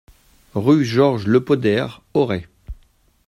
Rue Georges Le Poder, Auray